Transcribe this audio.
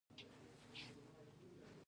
انار دافغانستان بهترینه میوه ده